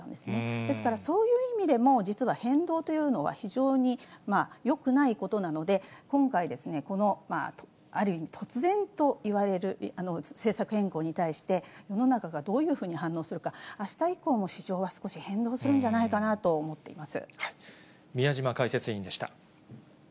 ですから、そういう意味でも実は変動というのは、非常によくないことなので、今回、ある意味、突然といわれる政策変更に対して、世の中がどういうふうに反応するか、あした以降も市場は少し変動するんじゃないかなと思っています。